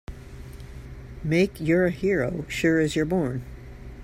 Make you're a hero sure as you're born!